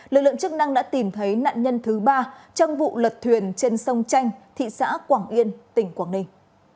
lực lượng chức năng đã tìm thấy nạn nhân thứ ba trong vụ lật thuyền trên sông chanh thị xã quảng yên tỉnh quảng ninh